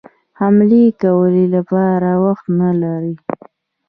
حملې کولو لپاره وخت نه لري.